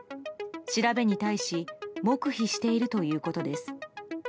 調べに対し、黙秘しているということです。